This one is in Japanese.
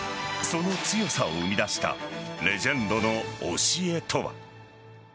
その強さを生み出したレジェンドの教えとは。